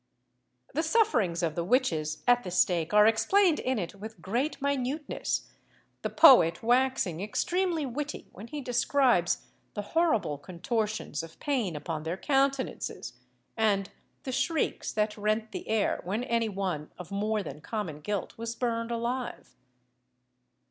The sufferings of the witches at the stake are explained in it with great minuteness, the poet waxing extremely witty when he describes the horrible contortions of pain upon their countenances, and the shrieks that rent the air when any one of more than common guilt was burned alive.